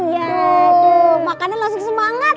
ya aduh makannya langsung semangat